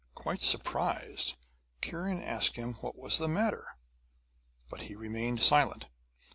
Quite surprised, Kiran asked him what was the matter. But he remained silent.